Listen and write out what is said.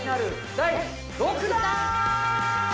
第６弾！